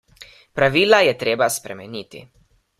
Pravila je treba spremeniti.